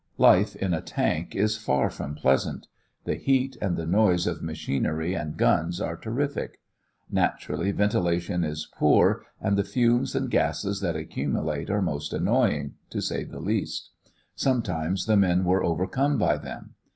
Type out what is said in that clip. Life in a tank is far from pleasant. The heat and the noise of machinery and guns are terrific. Naturally, ventilation is poor and the fumes and gases that accumulate are most annoying, to say the least. Sometimes the men were overcome by them.